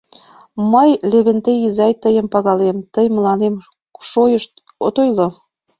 — Мый, Левентей изай, тыйым пагалем, тый мыланем шойышт от ойло.